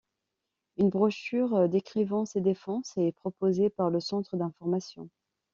Une brochure décrivant ces défenses est proposée par le centre d'information.